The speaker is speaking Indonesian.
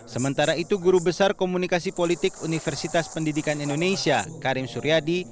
sementara itu guru besar komunikasi politik universitas pendidikan indonesia karim suryadi